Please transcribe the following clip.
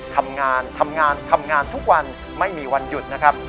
ทำงานทำงานทำงานทุกวันไม่มีวันหยุดนะครับ